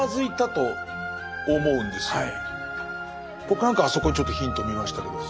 僕なんかはあそこにちょっとヒントを見ましたけど。